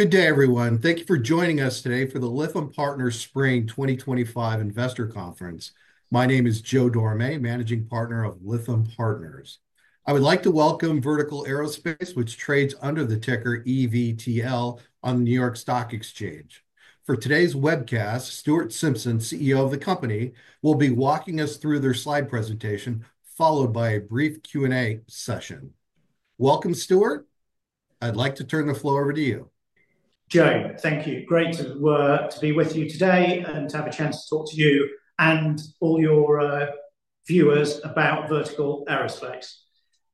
Good day, everyone. Thank you for joining us Lytham Partners Spring 2025 investor conference. My name is Joe Dorame, Managing Partner of Lytham Partners. I would like to welcome Vertical Aerospace, which trades under the ticker EVTL on the New York Stock Exchange. For today's webcast, Stuart Simpson, CEO of the company, will be walking us through their slide presentation, followed by a brief Q&A session. Welcome, Stuart. I'd like to turn the floor over to you. Joe, thank you. Great to be with you today and to have a chance to talk to you and all your viewers about Vertical Aerospace.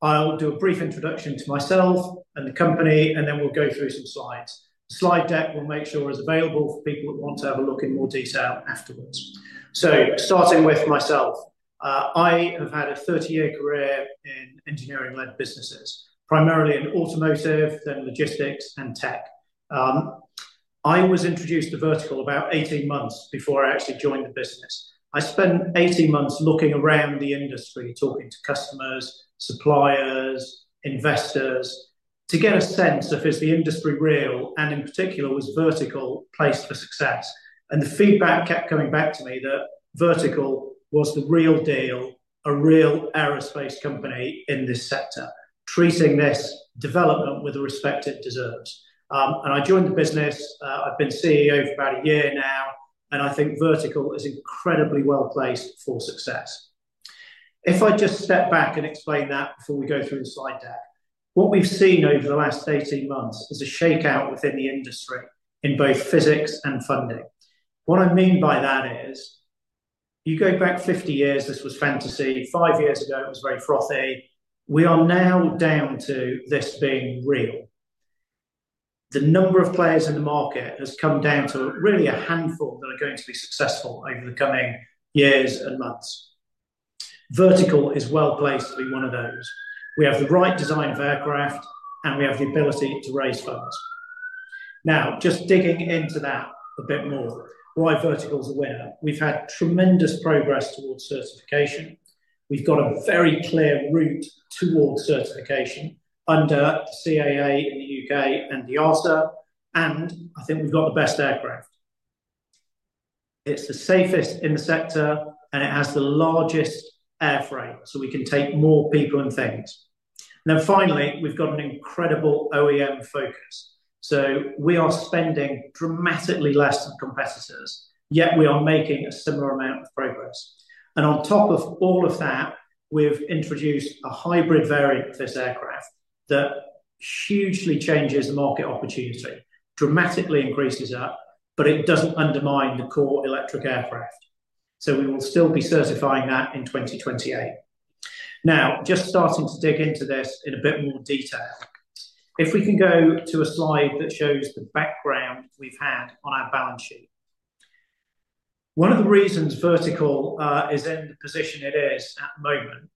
I'll do a brief introduction to myself and the company, and then we'll go through some slides. The slide deck will make sure it's available for people that want to have a look in more detail afterwards. Starting with myself, I have had a 30-year career in engineering-led businesses, primarily in automotive, then logistics and tech. I was introduced to Vertical about 18 months before I actually joined the business. I spent 18 months looking around the industry, talking to customers, suppliers, investors, to get a sense of, is the industry real, and in particular, was Vertical placed for success? The feedback kept coming back to me that Vertical was the real deal, a real aerospace company in this sector, treating this development with the respect it deserves. I joined the business. I've been CEO for about a year now, and I think Vertical is incredibly well placed for success. If I just step back and explain that before we go through the slide deck, what we've seen over the last 18 months is a shakeout within the industry in both physics and funding. What I mean by that is, you go back 50 years, this was fantasy. Five years ago, it was very frothy. We are now down to this being real. The number of players in the market has come down to really a handful that are going to be successful over the coming years and months. Vertical is well placed to be one of those. We have the right design of aircraft, and we have the ability to raise funds. Now, just digging into that a bit more, why Vertical is a winner? We've had tremendous progress towards certification. We've got a very clear route towards certification under CAA in the U.K. and the ASA, and I think we've got the best aircraft. It's the safest in the sector, and it has the largest airframe, so we can take more people and things. Now, finally, we've got an incredible OEM focus. We are spending dramatically less than competitors, yet we are making a similar amount of progress. On top of all of that, we've introduced a hybrid variant for this aircraft that hugely changes market opportunity, dramatically increases up, but it doesn't undermine the core electric aircraft. We will still be certifying that in 2028. Now, just starting to dig into this in a bit more detail, if we can go to a slide that shows the background we've had on our balance sheet. One of the reasons Vertical is in the position it is at the moment,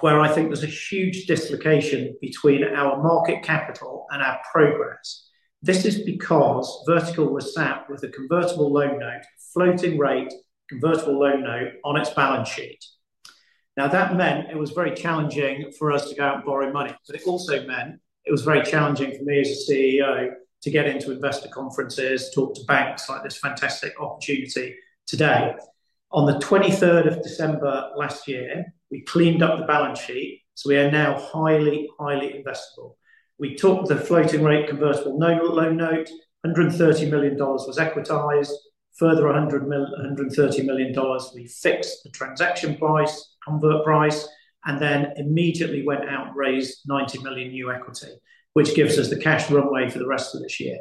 where I think there's a huge dislocation between our market capital and our progress. This is because Vertical was sat with a convertible loan note, floating rate convertible loan note on its balance sheet. Now, that meant it was very challenging for us to go out and borrow money, but it also meant it was very challenging for me as a CEO to get into investor conferences, talk to banks like this fantastic opportunity today. On the 23rd of December last year, we cleaned up the balance sheet, so we are now highly, highly investable. We took the floating rate convertible loan note, $130 million was equitized, further $130 million, we fixed the transaction price, convert price, and then immediately went out and raised $90 million new equity, which gives us the cash runway for the rest of this year.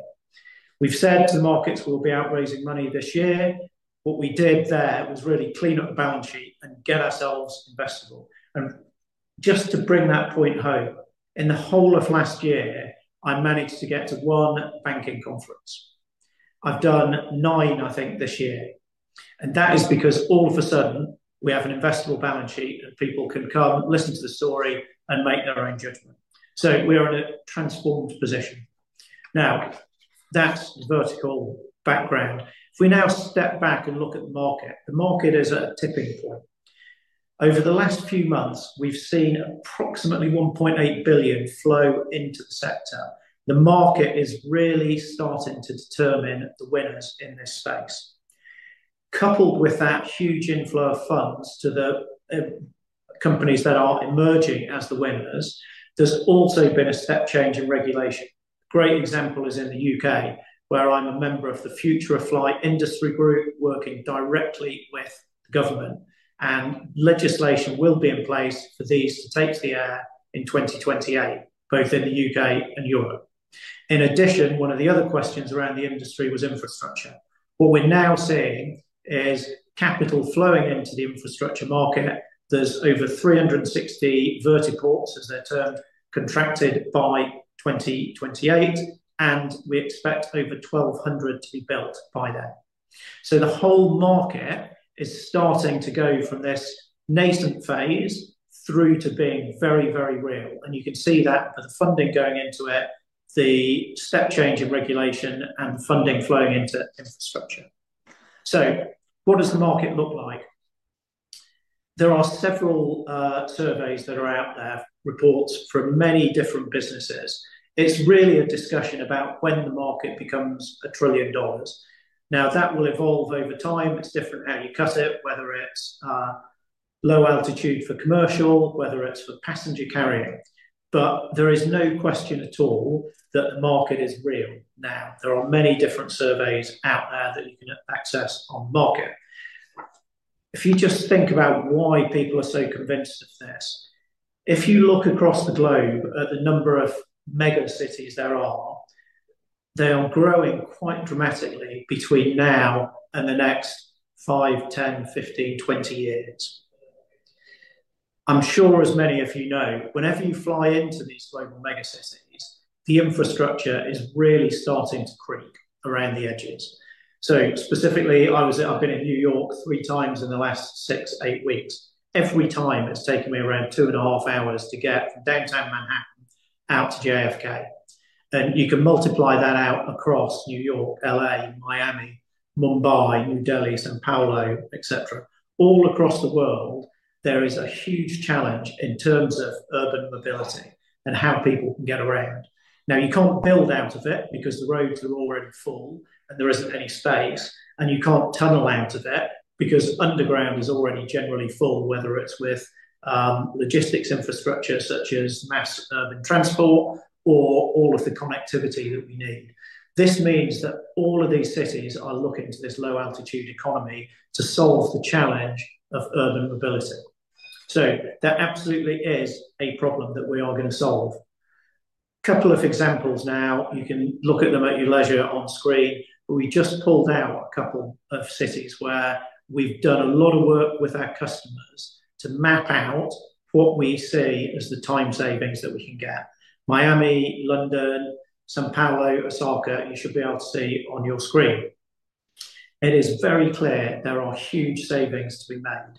We've said to the markets we'll be out raising money this year. What we did there was really clean up the balance sheet and get ourselves investable. Just to bring that point home, in the whole of last year, I managed to get to one banking conference. I've done nine, I think, this year. That is because all of a sudden, we have an investable balance sheet and people can come listen to the story and make their own judgment. We are in a transformed position. Now, that's the Vertical background. If we now step back and look at the market, the market is at a tipping point. Over the last few months, we've seen approximately $1.8 billion flow into the sector. The market is really starting to determine the winners in this space. Coupled with that huge inflow of funds to the companies that are emerging as the winners, there's also been a step change in regulation. A great example is in the U.K., where I'm a member of the Future of Flight Industry Group, working directly with the government, and legislation will be in place for these to take to the air in 2028, both in the U.K. and Europe. In addition, one of the other questions around the industry was infrastructure. What we're now seeing is capital flowing into the infrastructure market. are over 360 vertiports, as they're termed, contracted by 2028, and we expect over 1,200 to be built by then. The whole market is starting to go from this nascent phase through to being very, very real. You can see that with the funding going into it, the step change in regulation, and the funding flowing into infrastructure. What does the market look like? There are several surveys that are out there, reports from many different businesses. It's really a discussion about when the market becomes a trillion dollars. That will evolve over time. It's different how you cut it, whether it's low altitude for commercial, whether it's for passenger carrying. There is no question at all that the market is real now. There are many different surveys out there that you can access on the market. If you just think about why people are so convinced of this, if you look across the globe at the number of mega cities there are, they are growing quite dramatically between now and the next 5, 10, 15, 20 years. I'm sure as many of you know, whenever you fly into these global mega cities, the infrastructure is really starting to creak around the edges. Specifically, I've been in New York three times in the last six, eight weeks. Every time, it's taken me around two and a half hours to get from downtown Manhattan out to JFK. You can multiply that out across New York, L.A., Miami, Mumbai, New Delhi, São Paulo, etc. All across the world, there is a huge challenge in terms of urban mobility and how people can get around. Now, you can't build out of it because the roads are already full and there isn't any space, and you can't tunnel out of it because underground is already generally full, whether it's with logistics infrastructure such as mass urban transport or all of the connectivity that we need. This means that all of these cities are looking to this low altitude economy to solve the challenge of urban mobility. That absolutely is a problem that we are going to solve. A couple of examples now, you can look at them at your leisure on screen, but we just pulled out a couple of cities where we've done a lot of work with our customers to map out what we see as the time savings that we can get. Miami, London, São Paulo, Osaka, you should be able to see on your screen. It is very clear there are huge savings to be made.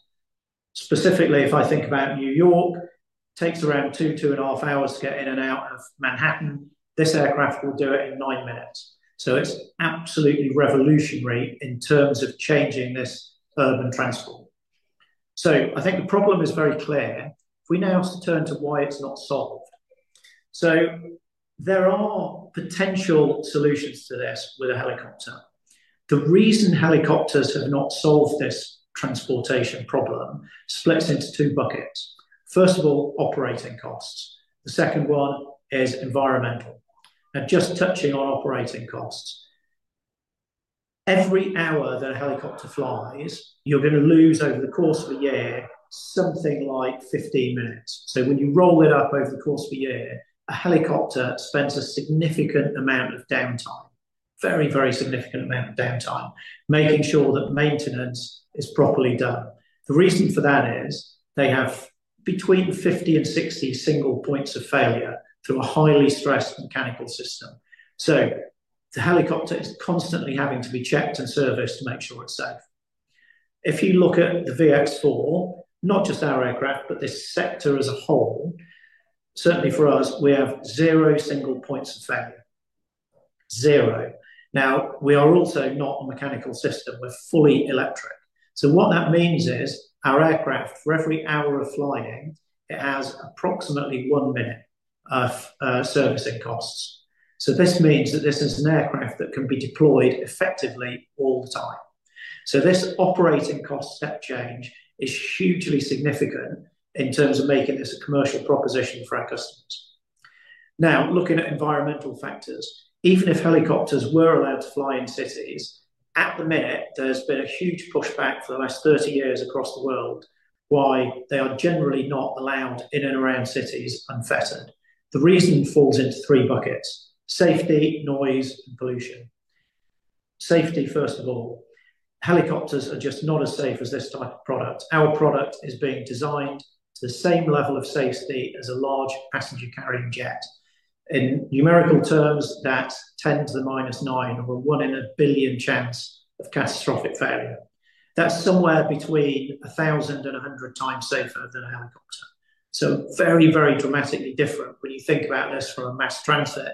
Specifically, if I think about New York, it takes around two, 2.5 hours to get in and out of Manhattan. This aircraft will do it in nine minutes. It is absolutely revolutionary in terms of changing this urban transport. I think the problem is very clear if we now turn to why it is not solved. There are potential solutions to this with a helicopter. The reason helicopters have not solved this transportation problem splits into two buckets. First of all, operating costs. The second one is environmental. Now, just touching on operating costs, every hour that a helicopter flies, you are going to lose over the course of a year something like 15 minutes. When you roll it up over the course of a year, a helicopter spends a significant amount of downtime, very, very significant amount of downtime, making sure that maintenance is properly done. The reason for that is they have between 50 and 60 single points of failure through a highly stressed mechanical system. The helicopter is constantly having to be checked and serviced to make sure it's safe. If you look at the VX4, not just our aircraft, but this sector as a whole, certainly for us, we have zero single points of failure, zero. We are also not a mechanical system. We're fully electric. What that means is our aircraft, for every hour of flying, it has approximately one minute of servicing costs. This means that this is an aircraft that can be deployed effectively all the time. This operating cost step change is hugely significant in terms of making this a commercial proposition for our customers. Now, looking at environmental factors, even if helicopters were allowed to fly in cities, at the minute, there's been a huge pushback for the last 30 years across the world why they are generally not allowed in and around cities unfettered. The reason falls into three buckets: safety, noise, and pollution. Safety, first of all. Helicopters are just not as safe as this type of product. Our product is being designed to the same level of safety as a large passenger carrying jet. In numerical terms, that's 10 to the -9, or one in a billion chance of catastrophic failure. That's somewhere between 1,000 and 100 times safer than a helicopter. Very, very dramatically different when you think about this from a mass transit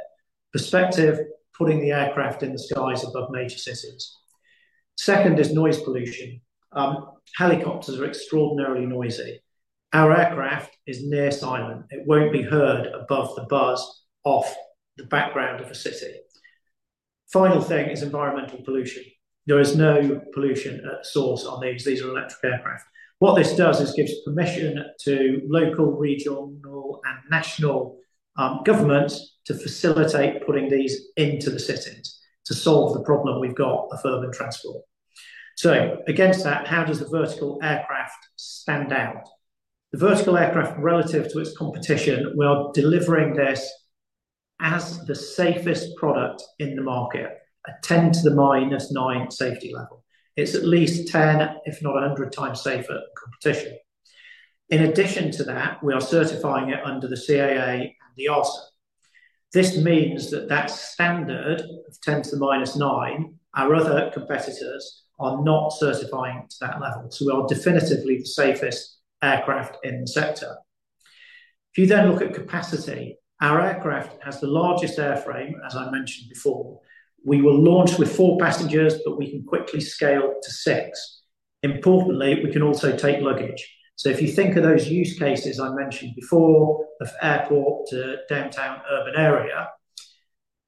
perspective, putting the aircraft in the skies above major cities. Second is noise pollution. Helicopters are extraordinarily noisy. Our aircraft is near silent. It will not be heard above the buzz of the background of a city. Final thing is environmental pollution. There is no pollution source on these. These are electric aircraft. What this does is gives permission to local, regional, and national governments to facilitate putting these into the cities to solve the problem we have got of urban transport. Against that, how does the Vertical aircraft stand out? The Vertical aircraft, relative to its competition, we are delivering this as the safest product in the market, a 10 to the -9 safety level. It is at least 10, if not 100 times safer than competition. In addition to that, we are certifying it under the CAA and the ASA. This means that that standard of 10 to the -9, our other competitors are not certifying to that level. We are definitively the safest aircraft in the sector. If you then look at capacity, our aircraft has the largest airframe, as I mentioned before. We will launch with four passengers, but we can quickly scale to six. Importantly, we can also take luggage. If you think of those use cases I mentioned before, of airport to downtown urban area,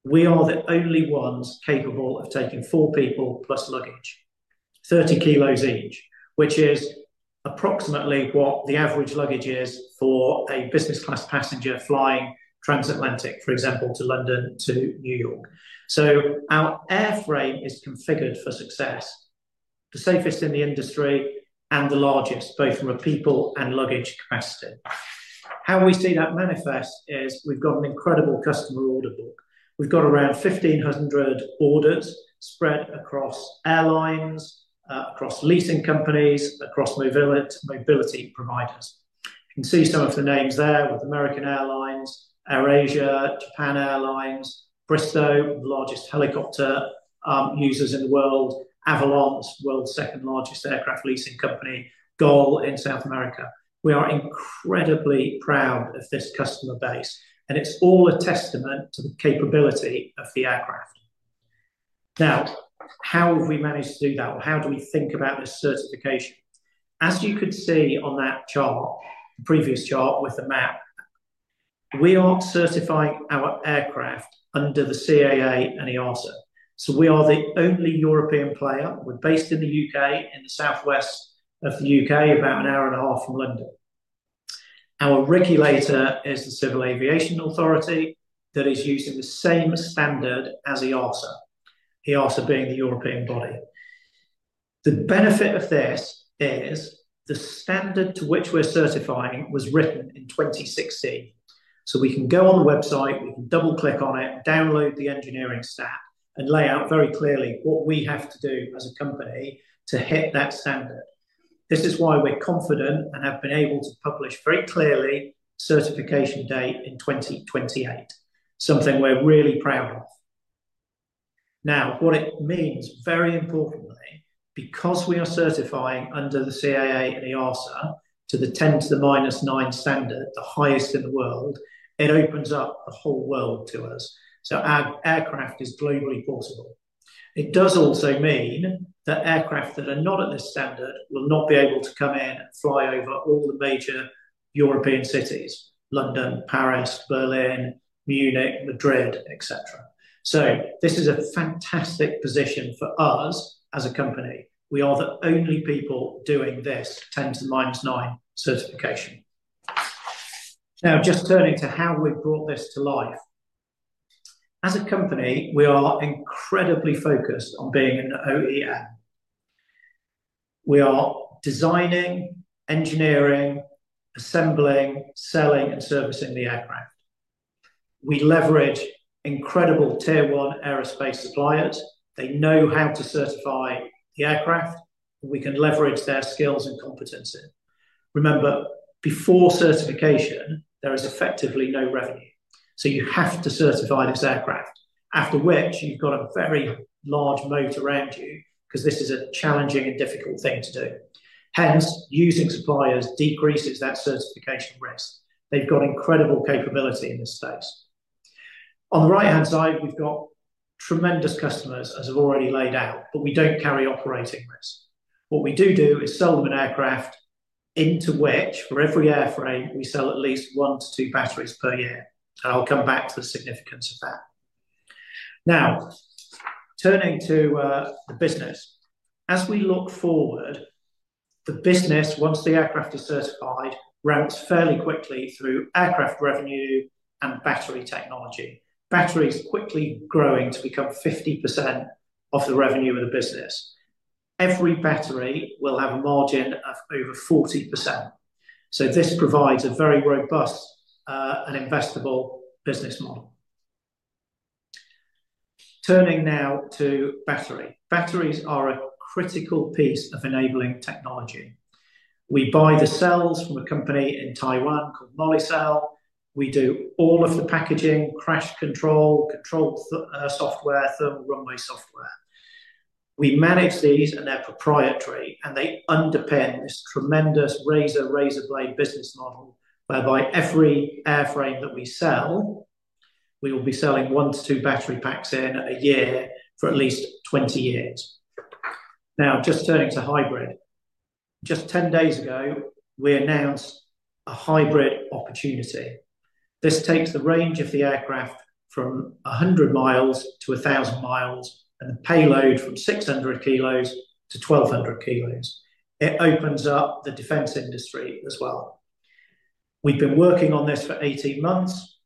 we are the only ones capable of taking four people plus luggage, 30 kg each, which is approximately what the average luggage is for a business class passenger flying transatlantic, for example, to London to New York. Our airframe is configured for success, the safest in the industry and the largest, both from a people and luggage capacity. How we see that manifest is we've got an incredible customer order book. We've got around 1,500 orders spread across airlines, across leasing companies, across mobility providers. You can see some of the names there with American Airlines, AirAsia, Japan Airlines, Bristow, the largest helicopter users in the world, Avalon, world's second largest aircraft leasing company, GOL in South America. We are incredibly proud of this customer base, and it's all a testament to the capability of the aircraft. Now, how have we managed to do that? How do we think about this certification? As you could see on that chart, the previous chart with the map, we are certifying our aircraft under the CAA and the EASA. We are the only European player. We're based in the U.K., in the southwest of the U.K., about an hour and a half from London. Our regulator is the Civil Aviation Authority that is using the same standard as the EASA, the EASA being the European body. The benefit of this is the standard to which we're certifying was written in 2016. We can go on the website, we can double-click on it, download the engineering stack, and lay out very clearly what we have to do as a company to hit that standard. This is why we're confident and have been able to publish very clearly certification date in 2028, something we're really proud of. Now, what it means, very importantly, because we are certifying under the CAA and the EASA to the 10 to the -9 standard, the highest in the world, it opens up the whole world to us. Our aircraft is globally portable. It does also mean that aircraft that are not at this standard will not be able to come in and fly over all the major European cities, London, Paris, Berlin, Munich, Madrid, etc. This is a fantastic position for us as a company. We are the only people doing this 10 to the -9 certification. Now, just turning to how we have brought this to life. As a company, we are incredibly focused on being an OEM. We are designing, engineering, assembling, selling, and servicing the aircraft. We leverage incredible tier one aerospace suppliers. They know how to certify the aircraft, and we can leverage their skills and competency. Remember, before certification, there is effectively no revenue. You have to certify this aircraft, after which you've got a very large moat around you because this is a challenging and difficult thing to do. Hence, using suppliers decreases that certification risk. They've got incredible capability in this space. On the right-hand side, we've got tremendous customers, as I've already laid out, but we don't carry operating risk. What we do do is sell them an aircraft into which, for every airframe, we sell at least one to two batteries per year. I'll come back to the significance of that. Now, turning to the business. As we look forward, the business, once the aircraft is certified, ramps fairly quickly through aircraft revenue and battery technology. Battery is quickly growing to become 50% of the revenue of the business. Every battery will have a margin of over 40%. This provides a very robust and investable business model. Turning now to battery. Batteries are a critical piece of enabling technology. We buy the cells from a company in Taiwan called Molicel. We do all of the packaging, crash control, control software, thermal runway software. We manage these and they're proprietary, and they underpin this tremendous razor razor blade business model whereby every airframe that we sell, we will be selling one to two battery packs in a year for at least 20 years. Now, just turning to hybrid. Just 10 days ago, we announced a hybrid opportunity. This takes the range of the aircraft from 100 mi to 1,000 mi and the payload from 600 kg to 1,200 kg. It opens up the defense industry as well. We've been working on this for 18 months.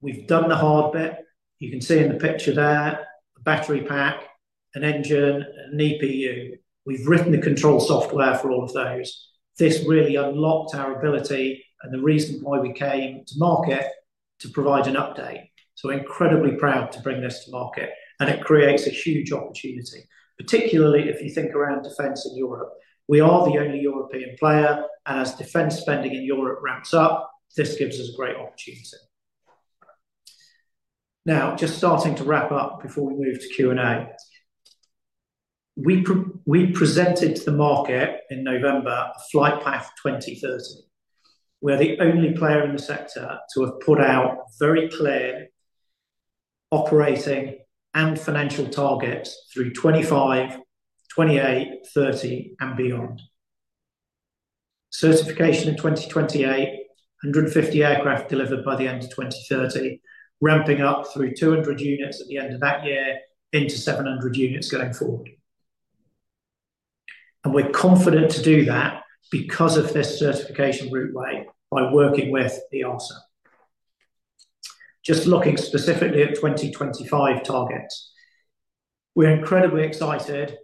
We've done the hard bit. You can see in the picture there a battery pack, an engine, an EPU. We've written the control software for all of those. This really unlocked our ability and the reason why we came to market to provide an update. We're incredibly proud to bring this to market, and it creates a huge opportunity, particularly if you think around defense in Europe. We are the only European player, and as defense spending in Europe ramps up, this gives us a great opportunity. Now, just starting to wrap up before we move to Q&A. We presented to the market in November a Flightpath 2030. We are the only player in the sector to have put out very clear operating and financial targets through 2025, 2028, 2030, and beyond. Certification in 2028, 150 aircraft delivered by the end of 2030, ramping up through 200 units at the end of that year into 700 units going forward. We're confident to do that because of this certification route by working with the EASA. Just looking specifically at 2025 targets, we're incredibly excited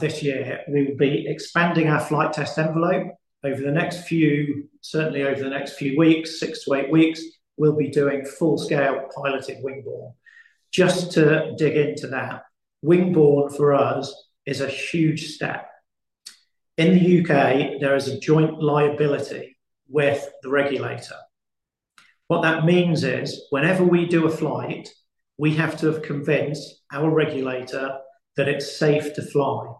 this year. We will be expanding our flight test envelope over the next few, certainly over the next few weeks, six to eight weeks. We'll be doing full-scale piloted wingborne. Just to dig into that, wingborne for us is a huge step. In the U.K., there is a joint liability with the regulator. What that means is whenever we do a flight, we have to have convinced our regulator that it's safe to fly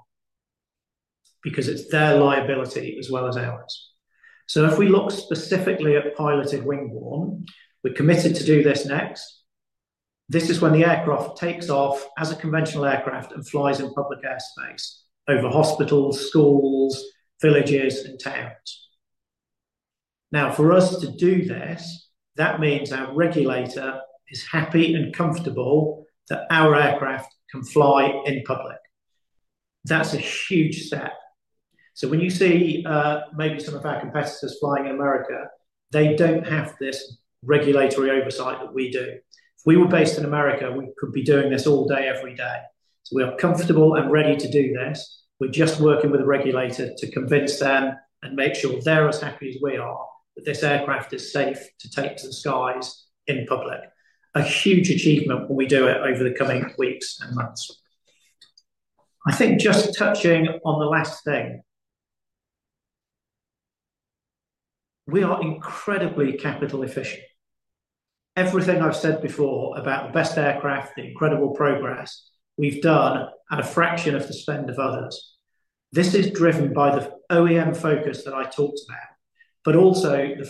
because it's their liability as well as ours. If we look specifically at piloted wingborne, we're committed to do this next. This is when the aircraft takes off as a conventional aircraft and flies in public airspace over hospitals, schools, villages, and towns. Now, for us to do this, that means our regulator is happy and comfortable that our aircraft can fly in public. That's a huge step. When you see maybe some of our competitors flying in America, they do not have this regulatory oversight that we do. If we were based in America, we could be doing this all day, every day. We are comfortable and ready to do this. We are just working with a regulator to convince them and make sure they are as happy as we are that this aircraft is safe to take to the skies in public. A huge achievement when we do it over the coming weeks and months. I think just touching on the last thing. We are incredibly capital efficient. Everything I have said before about the best aircraft, the incredible progress we have done at a fraction of the spend of others. This is driven by the OEM focus that I talked about, but also the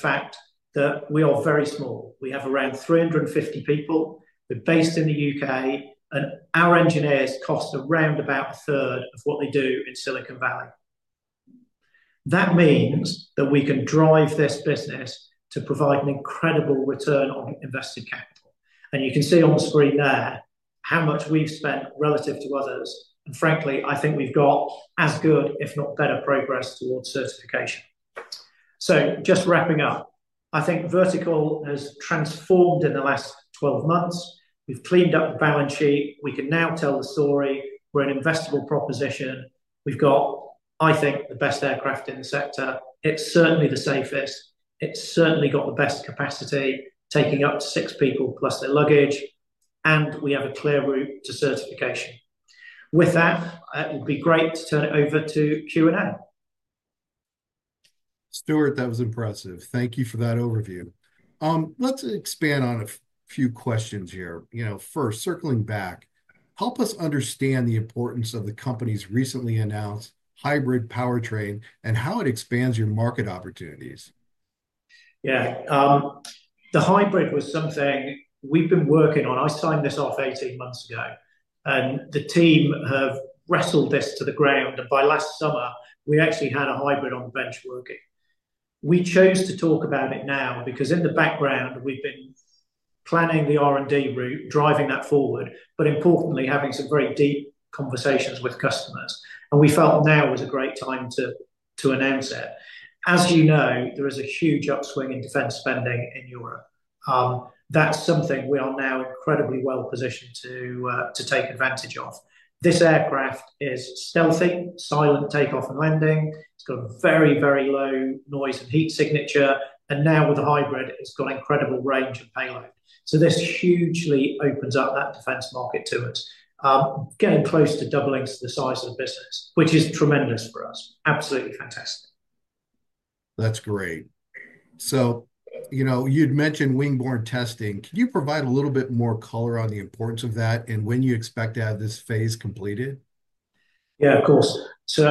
fact that we are very small. We have around 350 people. We're based in the U.K., and our engineers cost around about a third of what they do in Silicon Valley. That means that we can drive this business to provide an incredible return on invested capital. You can see on the screen there how much we've spent relative to others. Frankly, I think we've got as good, if not better progress towards certification. Just wrapping up, I think Vertical has transformed in the last 12 months. We've cleaned up the balance sheet. We can now tell the story. We're an investable proposition. We've got, I think, the best aircraft in the sector. It's certainly the safest. It's certainly got the best capacity, taking up to six people plus their luggage. We have a clear route to certification. With that, it would be great to turn it over to Q&A. Stuart, that was impressive. Thank you for that overview. Let's expand on a few questions here. First, circling back, help us understand the importance of the company's recently announced hybrid powertrain and how it expands your market opportunities. Yeah. The hybrid was something we've been working on. I signed this off 18 months ago, and the team have wrestled this to the ground. By last summer, we actually had a hybrid on the bench working. We chose to talk about it now because in the background, we've been planning the R&D route, driving that forward, but importantly, having some very deep conversations with customers. We felt now was a great time to announce it. As you know, there is a huge upswing in defense spending in Europe. That's something we are now incredibly well positioned to take advantage of. This aircraft is stealthy, silent takeoff and landing. It's got a very, very low noise and heat signature. Now with the hybrid, it's got an incredible range of payload. This hugely opens up that defense market to us, getting close to doubling to the size of the business, which is tremendous for us. Absolutely fantastic. That's great. You'd mentioned wingborne testing. Can you provide a little bit more color on the importance of that and when you expect to have this phase completed? Yeah, of course. When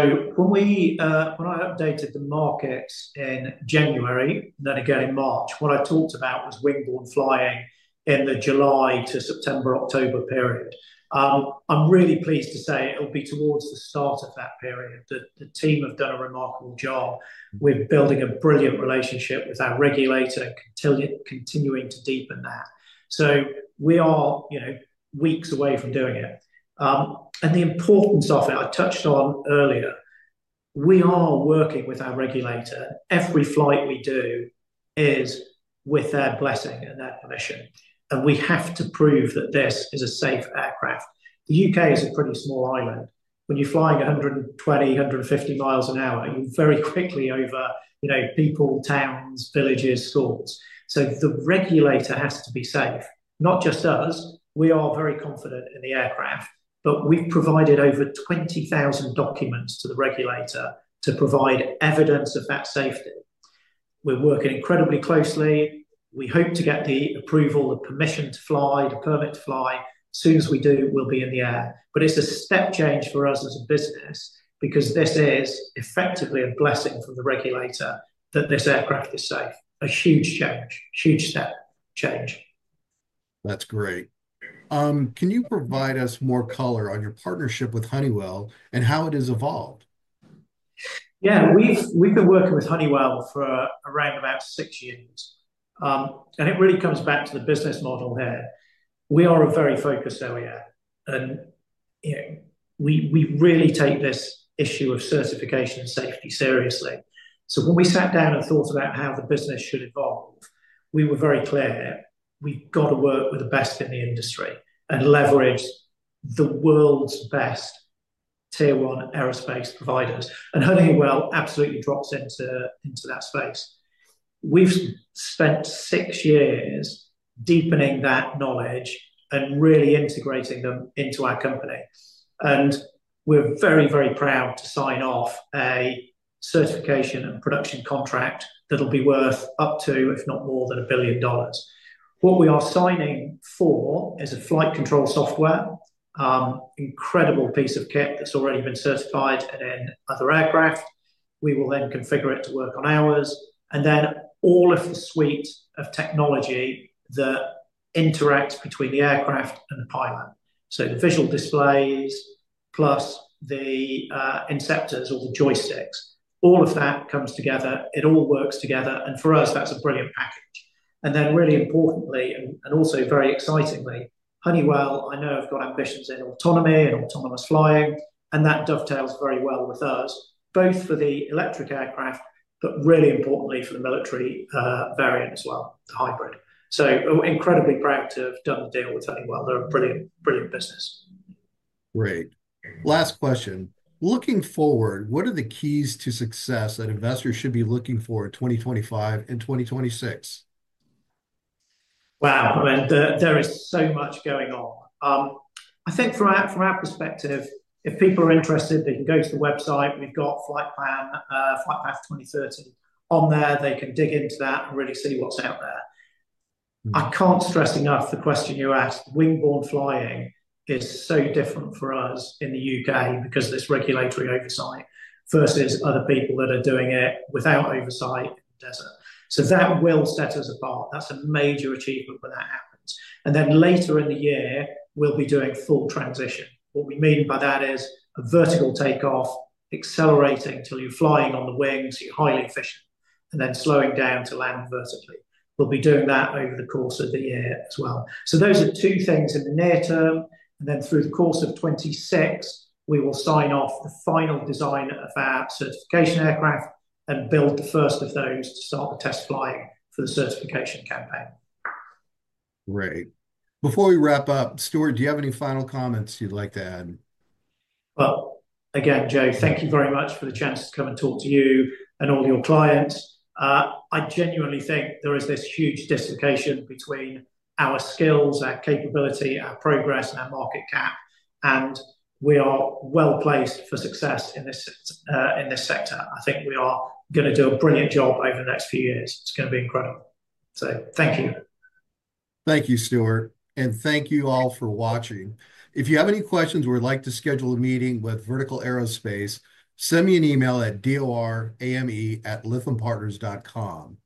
I updated the market in January, then again in March, what I talked about was wingborne flying in the July to September, October period. I'm really pleased to say it'll be towards the start of that period that the team have done a remarkable job with building a brilliant relationship with our regulator and continuing to deepen that. We are weeks away from doing it. The importance of it, I touched on earlier. We are working with our regulator. Every flight we do is with their blessing and their permission. We have to prove that this is a safe aircraft. The U.K. is a pretty small island. When you're flying 120 mi-150 mi an hour, you're very quickly over people, towns, villages, swords. The regulator has to be safe, not just us. We are very confident in the aircraft, but we've provided over 20,000 documents to the regulator to provide evidence of that safety. We're working incredibly closely. We hope to get the approval, the permission to fly, the permit to fly. As soon as we do, we'll be in the air. It is a step change for us as a business because this is effectively a blessing from the regulator that this aircraft is safe. A huge change, huge step change. That's great. Can you provide us more color on your partnership with Honeywell and how it has evolved? Yeah. We've been working with Honeywell for around about six years. It really comes back to the business model there. We are a very focused area. We really take this issue of certification and safety seriously. When we sat down and thought about how the business should evolve, we were very clear. We've got to work with the best in the industry and leverage the world's best tier one aerospace providers. Honeywell absolutely drops into that space. We've spent six years deepening that knowledge and really integrating them into our company. We're very, very proud to sign off a certification and production contract that'll be worth up to, if not more than, $1 billion. What we are signing for is a flight control software, incredible piece of kit that's already been certified in other aircraft. We will then configure it to work on ours. All of the suite of technology that interacts between the aircraft and the pilot—the visual displays plus the inceptors or the joysticks—all of that comes together. It all works together. For us, that's a brilliant package. Really importantly, and also very excitingly, Honeywell, I know, have got ambitions in autonomy and autonomous flying. That dovetails very well with us, both for the electric aircraft, but really importantly for the military variant as well, the hybrid. Incredibly proud to have done the deal with Honeywell. They're a brilliant, brilliant business. Great. Last question. Looking forward, what are the keys to success that investors should be looking for in 2025 and 2026? Wow. I mean, there is so much going on. I think from our perspective, if people are interested, they can go to the website. We've got Flightpath 2030 on there. They can dig into that and really see what's out there. I can't stress enough the question you asked. Wingborne flying is so different for us in the U.K. because of this regulatory oversight versus other people that are doing it without oversight in the desert. That will set us apart. That's a major achievement when that happens. Later in the year, we'll be doing full transition. What we mean by that is a vertical takeoff, accelerating until you're flying on the wings, you're highly efficient, and then slowing down to land vertically. We'll be doing that over the course of the year as well. Those are two things in the near term. Through the course of 2026, we will sign off the final design of our certification aircraft and build the first of those to start the test flying for the certification campaign. Great. Before we wrap up, Stuart, do you have any final comments you'd like to add? Joe, thank you very much for the chance to come and talk to you and all your clients. I genuinely think there is this huge dislocation between our skills, our capability, our progress, and our market cap. We are well placed for success in this sector. I think we are going to do a brilliant job over the next few years. It's going to be incredible. Thank you. Thank you, Stuart. Thank you all for watching. If you have any questions or would like to schedule a meeting with Vertical Aerospace, send me an email at dorame@lythampartners.com.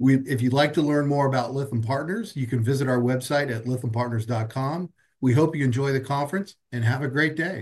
If you'd like to Lytham Partners, you can visit our website at lithiumpartners.com. We hope you enjoy the conference and have a great day.